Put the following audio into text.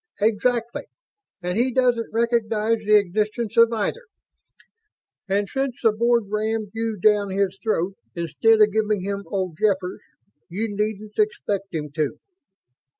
"Exactly. And he doesn't recognize the existence of either. And, since the Board rammed you down his throat instead of giving him old Jeffers, you needn't expect him to."